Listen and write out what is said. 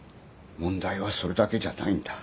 問題はそれだけじゃないんだ。